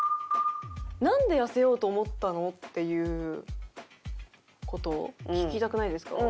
なんで痩せようと思ったの？っていう事を聞きたくないですか？